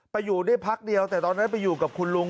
อยู่ได้พักเดียวแต่ตอนนั้นไปอยู่กับคุณลุง